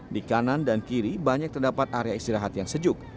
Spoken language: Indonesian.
di kanan dan kiri banyak terdapat area istirahat yang sejuk